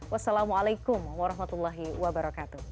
wassalamualaikum warahmatullahi wabarakatuh